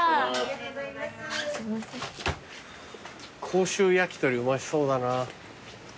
「甲州焼鳥」うまそうだな。